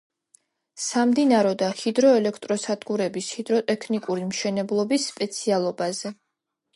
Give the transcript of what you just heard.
სამდინარო და ჰიდროელექტროსადგურების ჰიდროტექნიკური მშენებლობის სპეციალობაზე.